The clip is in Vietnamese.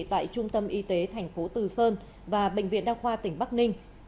tại trung tâm y tế tp từ sơn và bệnh viện đăng khoa tỉnh bắc ninh